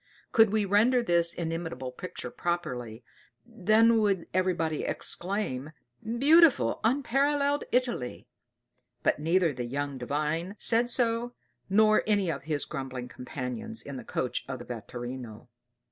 Could we render this inimitable picture properly, then would everybody exclaim, "Beautiful, unparalleled Italy!" But neither the young Divine said so, nor anyone of his grumbling companions in the coach of the vetturino.